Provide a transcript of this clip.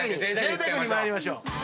ぜいたくに参りましょう。